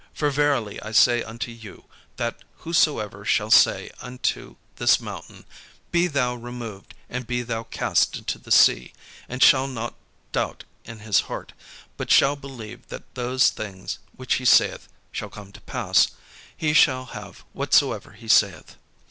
For verily I say unto you, that whosoever shall say unto this mountain, 'Be thou removed, and be thou cast into the sea;' and shall not doubt in his heart, but shall believe that those things which he saith shall come to pass; he shall have whatsoever he saith.